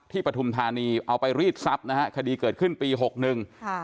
ปฐุมธานีเอาไปรีดทรัพย์นะฮะคดีเกิดขึ้นปีหกหนึ่งค่ะ